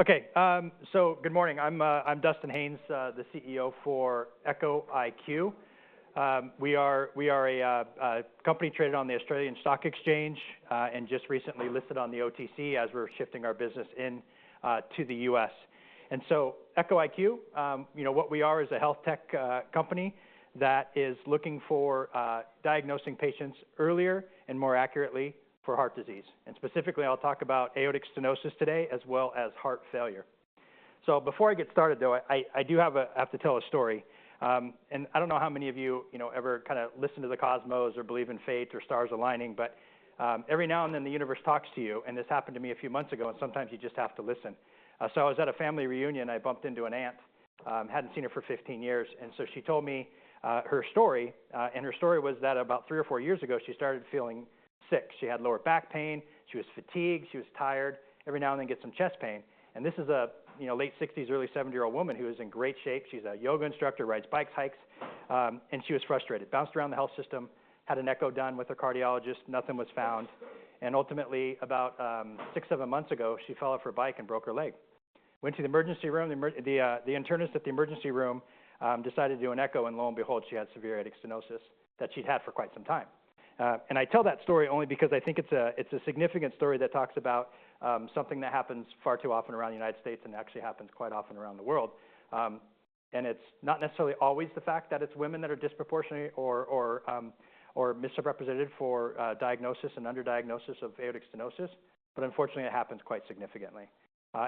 Okay, so good morning. I'm Dustin Haines, the CEO for Echo IQ. We are a company traded on the Australian Stock Exchange and just recently listed on the OTC, as we're shifting our business into the U.S. Echo IQ, what we are is a health tech company that is looking for diagnosing patients earlier and more accurately for heart disease. Specifically, I'll talk about aortic stenosis today as well as heart failure. Before I get started, though, I do have to tell a story. I don't know how many of you ever kind of listen to the cosmos or believe in fate or stars aligning, but every now and then the universe talks to you. This happened to me a few months ago, and sometimes you just have to listen. I was at a family reunion. I bumped into an aunt, hadn't seen her for 15 years. And so she told me her story. And her story was that about three or four years ago, she started feeling sick. She had lower back pain. She was fatigued. She was tired. Every now and then she'd get some chest pain. And this is a late '60s, early '70s-year-old woman who is in great shape. She's a yoga instructor, rides bikes, hikes. And she was frustrated, bounced around the health system, had an echo done with a cardiologist, nothing was found. And ultimately, about six, seven months ago, she fell off her bike and broke her leg. Went to the emergency room. The internist at the emergency room decided to do an echo, and lo and behold, she had severe aortic stenosis that she'd had for quite some time. And I tell that story only because I think it's a significant story that talks about something that happens far too often around the United States, and it actually happens quite often around the world. And it's not necessarily always the fact that it's women that are disproportionately or misrepresented for diagnosis and underdiagnosis of aortic stenosis, but unfortunately, it happens quite significantly.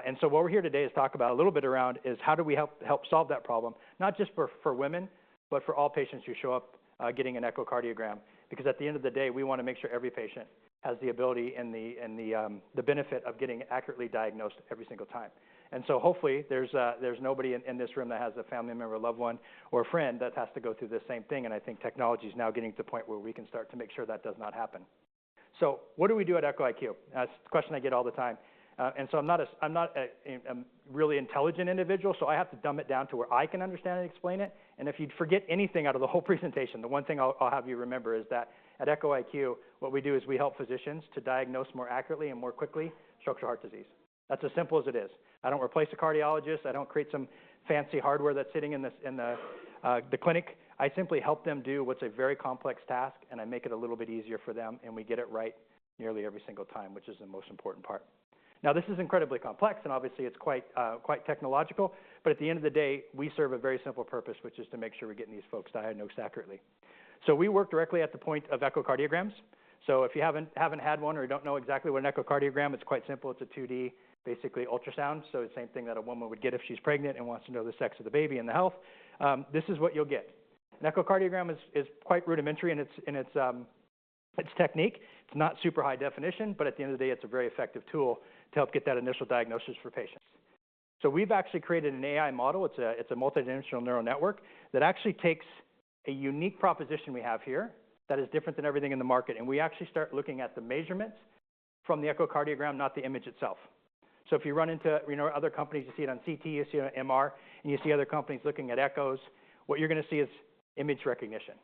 And so what we're here today is to talk about a little bit around is how do we help solve that problem, not just for women, but for all patients who show up getting an echocardiogram. Because at the end of the day, we want to make sure every patient has the ability and the benefit of getting accurately diagnosed every single time. And so hopefully, there's nobody in this room that has a family member, a loved one, or a friend that has to go through the same thing. And I think technology is now getting to the point where we can start to make sure that does not happen. So what do we do at Echo IQ? That's a question I get all the time. And so I'm not a really intelligent individual, so I have to dumb it down to where I can understand and explain it. And if you'd forget anything out of the whole presentation, the one thing I'll have you remember is that at Echo IQ, what we do is we help physicians to diagnose more accurately and more quickly structural heart disease. That's as simple as it is. I don't replace a cardiologist. I don't create some fancy hardware that's sitting in the clinic. I simply help them do what's a very complex task, and I make it a little bit easier for them. And we get it right nearly every single time, which is the most important part. Now, this is incredibly complex, and obviously, it's quite technological. But at the end of the day, we serve a very simple purpose, which is to make sure we're getting these folks diagnosed accurately. So we work directly at the point of echocardiograms. So if you haven't had one or you don't know exactly what an echocardiogram is, it's quite simple. It's a 2D, basically, ultrasound. So it's the same thing that a woman would get if she's pregnant and wants to know the sex of the baby and the health. This is what you'll get. An echocardiogram, is quite rudimentary in its technique. It's not super high definition, but at the end of the day, it's a very effective tool to help get that initial diagnosis for patients. So we've actually created an AI model. It's a multidimensional neural network that actually takes a unique proposition we have here that is different than everything in the market. And we actually start looking at the measurements from the echocardiogram, not the image itself. So if you run into other companies, you see it on CT, you see it on MR, and you see other companies looking at echoes, what you're going to see is image recognition.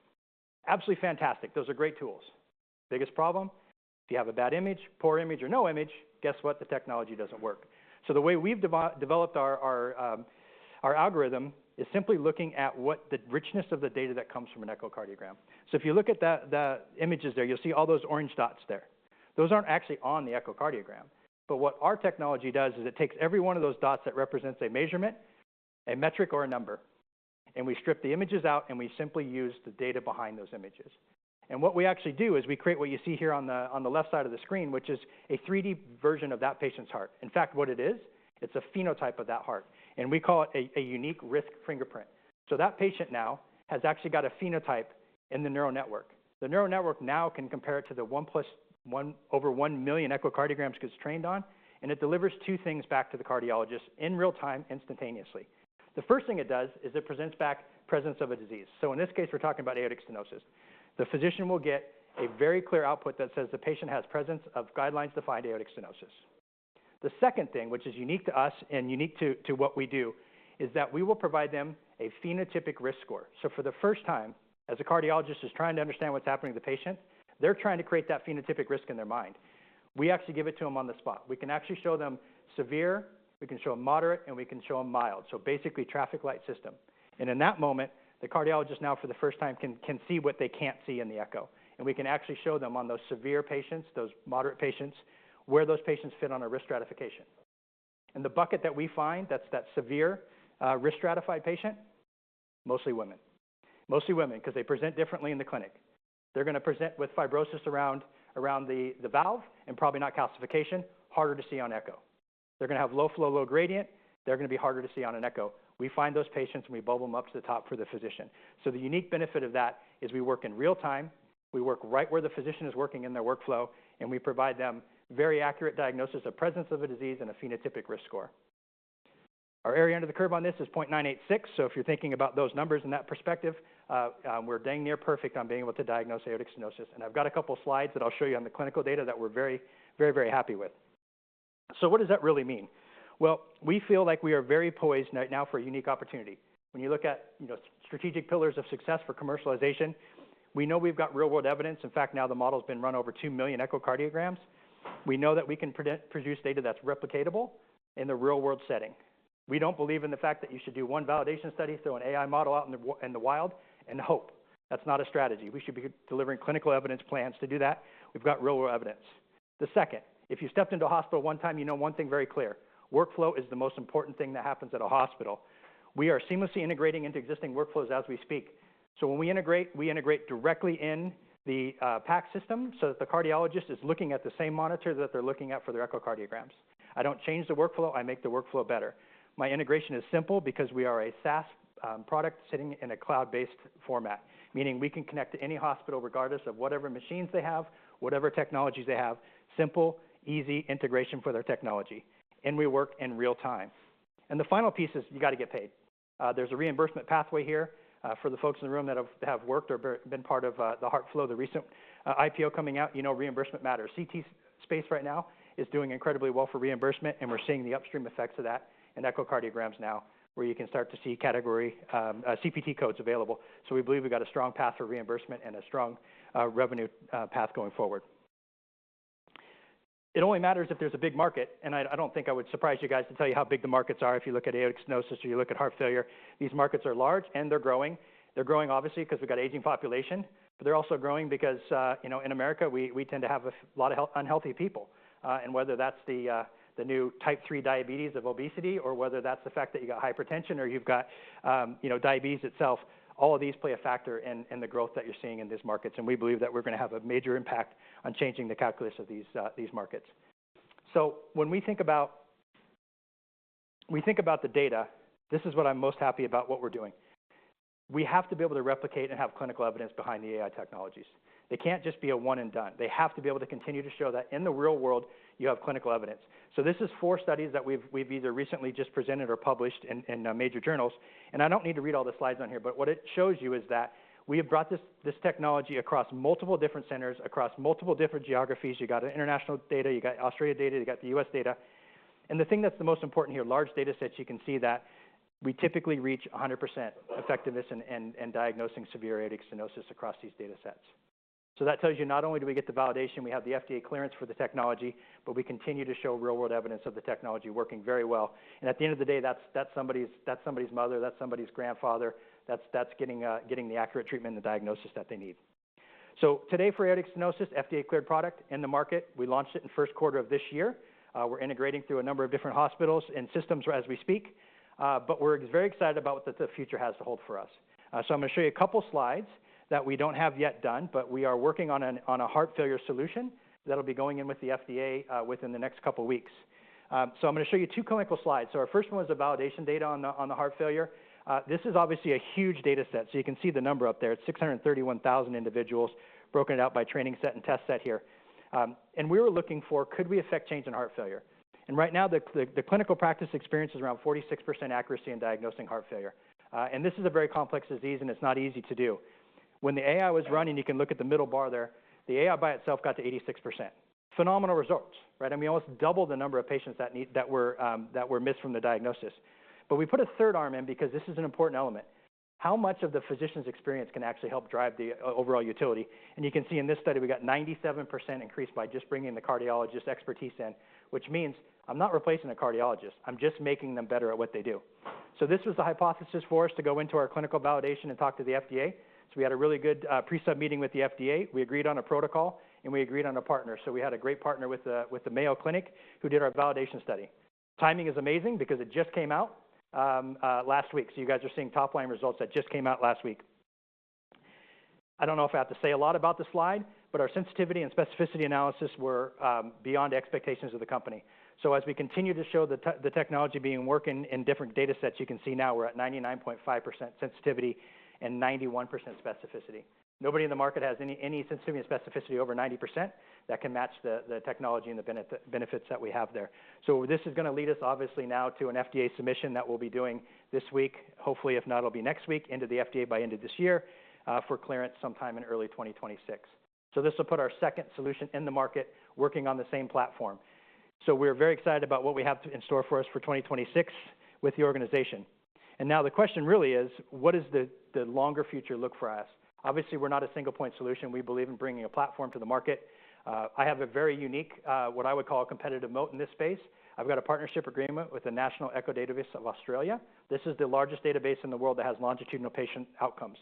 Absolutely fantastic. Those are great tools. Biggest problem, if you have a bad image, poor image, or no image, guess what? The technology doesn't work. So the way we've developed our algorithm is simply looking at the richness of the data that comes from an echocardiogram. If you look at the images there, you'll see all those orange dots there. Those aren't actually on the echocardiogram. But what our technology does is it takes every one of those dots that represents a measurement, a metric, or a number, and we strip the images out, and we simply use the data behind those images. What we actually do is we create what you see here on the left side of the screen, which is a 3D version of that patient's heart. In fact, what it is, it's a phenotype of that heart. We call it a unique risk fingerprint. That patient now has actually got a phenotype in the neural network. The neural network now can compare it to over 1 million echocardiograms it's trained on, and it delivers two things back to the cardiologist in real time, instantaneously. The first thing it does is it presents back presence of a disease. So in this case, we're talking about aortic stenosis. The physician will get a very clear output that says the patient has presence of guidelines-defined aortic stenosis. The second thing, which is unique to us and unique to what we do, is that we will provide them a phenotypic risk score. So for the first time, as a cardiologist, is trying to understand what's happening to the patient, they're trying to create that phenotypic risk in their mind. We actually give it to them on the spot. We can actually show them severe, we can show them moderate, and we can show them mild, so basically traffic light system. And in that moment, the cardiologist now, for the first time, can see what they can't see in the echo. And we can actually show them on those severe patients, those moderate patients, where those patients fit on a risk stratification. And the bucket that we find, that's that severe risk stratified patient, mostly women. Mostly women because they present differently in the clinic. They're going to present with fibrosis around the valve and probably not calcification, harder to see on echo. They're going to have low flow, low gradient. They're going to be harder to see on an echo. We find those patients, and we bubble them up to the top for the physician. So the unique benefit of that is we work in real time. We work right where the physician is working in their workflow, and we provide them very accurate diagnosis of presence of a disease and a phenotypic risk score. Our area und=er the curve on this is 0.986. So if you're thinking about those numbers and that perspective, we're dang near perfect on being able to diagnose aortic stenosis. And I've got a couple of slides that I'll show you on the clinical data that we're very, very, very happy with. So what does that really mean? Well, we feel like we are very poised right now for a unique opportunity. When you look at strategic pillars of success for commercialization, we know we've got real-world evidence. In fact, now the model has been run over 2 million echocardiograms. We know that we can produce data that's replicatable in the real-world setting. We don't believe in the fact that you should do one validation study, throw an AI model out in the wild, and hope. That's not a strategy. We should be delivering clinical evidence plans to do that. We've got real-world evidence. The second, if you stepped into a hospital one time, you know one thing very clear. Workflow, is the most important thing that happens at a hospital. We are seamlessly integrating into existing workflows as we speak. So when we integrate, we integrate directly in the PACS system, so that the cardiologist, is looking at the same monitor that they're looking at for their echocardiograms. I don't change the workflow. I make the workflow better. My integration is simple because we are a SaaS product sitting in a cloud-based format, meaning we can connect to any hospital regardless of whatever machines they have, whatever technologies they have, simple, easy integration for their technology. And we work in real time. And the final piece is you've got to get paid. There's a reimbursement pathway here for the folks in the room that have worked or been part of the HeartFlow, the recent IPO coming out. You know reimbursement matters. CT space, right now is doing incredibly well for reimbursement, and we're seeing the upstream effects of that in echocardiograms now, where you can start to see category CPT codes available. So we believe we've got a strong path for reimbursement and a strong revenue path going forward. It only matters if there's a big market, and I don't think I would surprise you guys to tell you how big the markets are if you look at aortic stenosis or you look at heart failure. These markets are large, and they're growing. They're growing, obviously, because we've got aging population, but they're also growing because in America, we tend to have a lot of unhealthy people. Whether that's the new Type 3 diabetes of obesity or whether that's the fact that you've got hypertension or you've got diabetes itself, all of these play a factor in the growth that you're seeing in these markets. We believe that we're going to have a major impact on changing the calculus of these markets. When we think about the data, this is what I'm most happy about, what we're doing. We have to be able to replicate and have clinical evidence behind the AI technologies. It can't just be a one-and-done. They have to be able to continue to show that in the real world, you have clinical evidence. This is four studies that we've either recently just presented or published in major journals. I don't need to read all the slides on here, but what it shows you is that we have brought this technology across multiple different centers, across multiple different geographies. You've got international data. You've got Australia data. You've got the U.S. data. And the thing that's the most important here, large data sets, you can see that we typically reach 100% effectiveness in diagnosing severe aortic stenosis across these data sets. So that tells you not only do we get the validation, we have the FDA clearance for the technology, but we continue to show real-world evidence of the technology working very well. And at the end of the day, that's somebody's mother, that's somebody's grandfather that's getting the accurate treatment and the diagnosis that they need. So today, for aortic stenosis, FDA-cleared product in the market. We launched it in the first quarter of this year. We're integrating through a number of different hospitals and systems as we speak. But we're very excited about what the future has to hold for us. So I'm going to show you a couple of slides that we don't have yet done, but we are working on a heart failure solution that'll be going in with the FDA within the next couple of weeks. So I'm going to show you two clinical slides. So our first one was the validation data on the heart failure. This is obviously a huge data set. So you can see the number up there. It's 631,000 individuals broken out by training set and test set here. And we were looking for, could we affect change in heart failure? And right now, the clinical practice experience is around 46% accuracy in diagnosing heart failure. This is a very complex disease, and it's not easy to do. When the AI was running, you can look at the middle bar there. The AI by itself got to 86%. Phenomenal results. We almost doubled the number of patients that were missed from the diagnosis. But we put a third arm in because this is an important element. How much of the physician's experience can actually help drive the overall utility? You can see in this study, we got 97%, increase by just bringing the cardiologist expertise in, which means I'm not replacing a cardiologist. I'm just making them better at what they do. This was the hypothesis for us to go into our clinical validation and talk to the FDA. We had a really good pre-sub meeting with the FDA. We agreed on a protocol, and we agreed on a partner. So we had a great partner with the Mayo Clinic, who did our validation study. Timing is amazing because it just came out last week. So you guys are seeing top-line results that just came out last week. I don't know if I have to say a lot about the slide, but our sensitivity and specificity analysis were beyond expectations of the company. So as we continue to show the technology being working in different data sets, you can see now we're at 99.5%, sensitivity and 91%, specificity. Nobody in the market has any sensitivity and specificity over 90%, that can match the technology and the benefits that we have there. So this is going to lead us, obviously, now to an FDA submission that we'll be doing this week. Hopefully, if not, it'll be next week into the FDA by end of this year for clearance sometime in early 2026. So this will put our second solution in the market, working on the same platform. So we're very excited about what we have in store for us for 2026 with the organization. And now the question really is, what does the longer future look for us? Obviously, we're not a single-point solution. We believe in bringing a platform to the market. I have a very unique, what I would call a competitive moat in this space. I've got a partnership agreement with the National Echo Database of Australia. This is the largest database in the world that has longitudinal patient outcomes.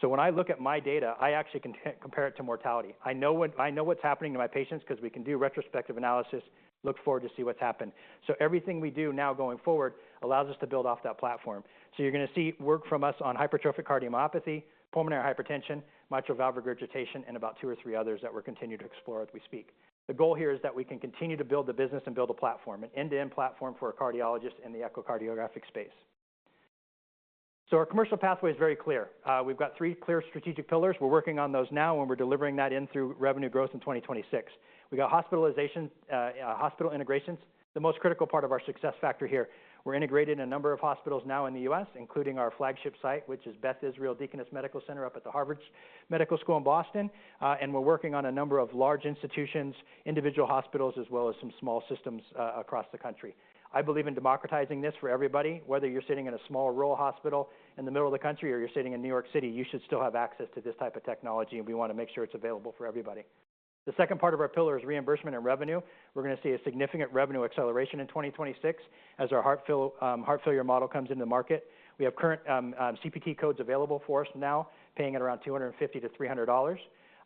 So when I look at my data, I actually can compare it to mortality. I know what's happening to my patients because we can do retrospective analysis, look forward to see what's happened. So everything we do now going forward allows us to build off that platform. So you're going to see work from us on hypertrophic cardiomyopathy, pulmonary hypertension, mitral valve regurgitation, and about two or three others that we're continuing to explore as we speak. The goal here is that we can continue to build the business and build a platform, an end-to-end platform for a cardiologist in the echocardiographic space. So our commercial pathway is very clear. We've got three clear strategic pillars. We're working on those now when we're delivering that in through revenue growth in 2026. We've got hospitalizations, hospital integrations, the most critical part of our success factor here. We're integrating a number of hospitals now in the U.S., including our flagship site, which is Beth Israel Deaconess Medical Center, up at the Harvard Medical School in Boston, and we're working on a number of large institutions, individual hospitals, as well as some small systems across the country. I believe in democratizing this for everybody. Whether you're sitting in a small rural hospital in the middle of the country or you're sitting in New York City, you should still have access to this type of technology, and we want to make sure it's available for everybody. The second part of our pillar is reimbursement and revenue. We're going to see a significant revenue acceleration in 2026 as our heart failure model comes into the market. We have current CPT codes available for us now, paying at around $250-$300.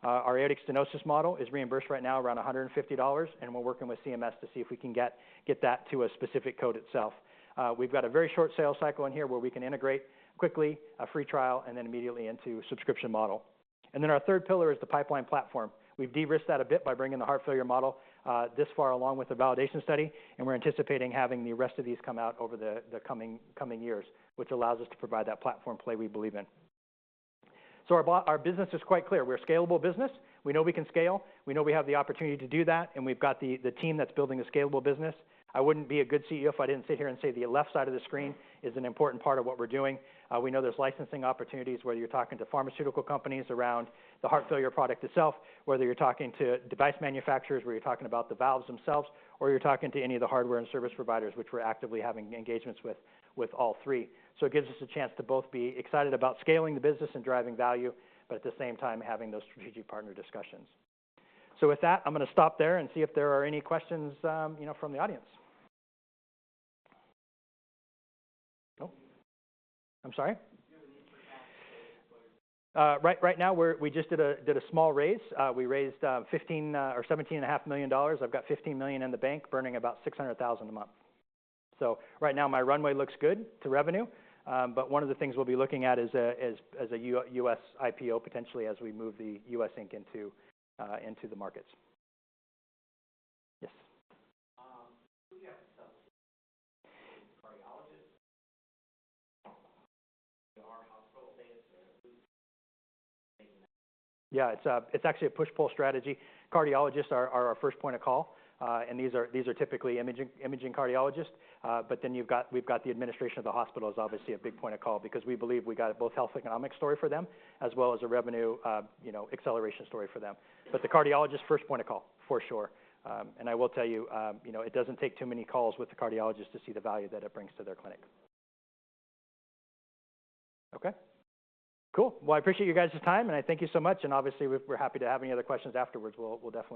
Our aortic stenosis model, is reimbursed right now around $150, and we're working with CMS to see if we can get that to a specific code itself. We've got a very short sales cycle in here where we can integrate quickly, a free trial, and then immediately into a subscription model. And then our third pillar is the pipeline platform. We've de-risked that a bit by bringing the heart failure model this far along with the validation study, and we're anticipating having the rest of these come out over the coming years, which allows us to provide that platform play we believe in. So our business is quite clear. We're a scalable business. We know we can scale. We know we have the opportunity to do that, and we've got the team that's building a scalable business. I wouldn't be a good CEO if I didn't sit here and say the left side of the screen is an important part of what we're doing. We know there's licensing opportunities, whether you're talking to pharmaceutical companies around the heart failure product itself, whether you're talking to device manufacturers, whether you're talking about the valves themselves, or you're talking to any of the hardware and service providers, which we're actively having engagements with all three. So it gives us a chance to both be excited about scaling the business and driving value, but at the same time, having those strategic partner discussions. So with that, I'm going to stop there and see if there are any questions from the audience. Nope. I'm sorry? Right now, we just did a small raise. We raised $17.5 million. I've got $15 million in the bank, burning about $600,000 a month. So right now, my runway looks good to revenue, but one of the things we'll be looking at is a U.S. IPO potentially as we move the U.S. Inc, into the markets. Yes. Do we have cardiologists? Yeah, it's actually a push-pull strategy. Cardiologists are our first point of call, and these are typically imaging cardiologists. But then we've got the administration of the hospital as obviously a big point of call because we believe we've got both a health economic story for them as well as a revenue acceleration story for them. But the cardiologists, first point of call, for sure. And I will tell you, it doesn't take too many calls with the cardiologist to see the value that it brings to their clinic. Okay. Cool. I appreciate you guys' time, and I thank you so much. Obviously, we're happy to have any other questions afterwards. We'll definitely.